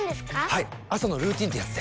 はい朝のルーティンってやつで。